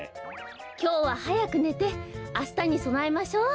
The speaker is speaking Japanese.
きょうははやくねてあしたにそなえましょう。